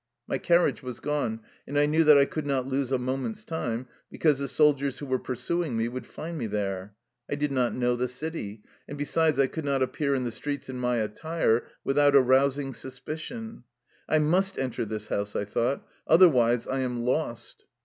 My carriage was gone, and I knew that I could not lose a moment's time, because the soldiers who were pursuing me would find me there. I did not know the city, and besides I could not appear in the streets in my attire without arousing sus picion. " I must enter this house," I thought, " otherwise I am lost."